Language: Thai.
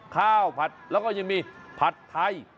ข้าวผัดแล้วก็ยังมีผัดไทย